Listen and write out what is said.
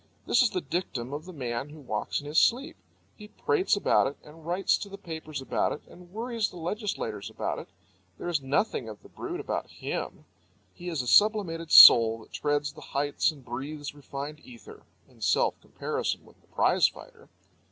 This is the dictum of the man who walks in his sleep. He prates about it, and writes to the papers about it, and worries the legislators about it. There is nothing of the brute about him. He is a sublimated soul that treads the heights and breathes refined ether in self comparison with the prize fighter.